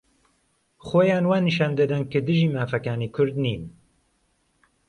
خۆیان وا نیشان دەدەن كە دژی مافەكانی كورد نین